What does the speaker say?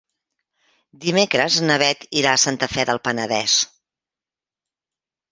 Dimecres na Bet irà a Santa Fe del Penedès.